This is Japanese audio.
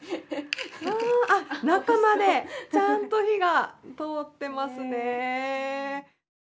ああっ中までちゃんと火が通ってますね。